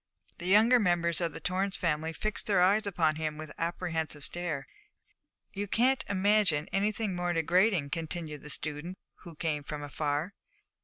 The younger members of the Torrance family fixed their eyes upon him with apprehensive stare. 'You can't imagine anything more degrading,' continued the student, who came from afar.